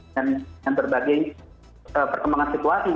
dan berbagai perkembangan situasi